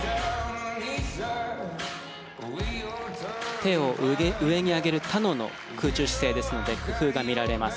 手を上に上げる空中姿勢ですので工夫が見られます。